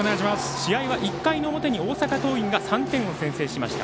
試合は１回の表に大阪桐蔭が３点先制しました。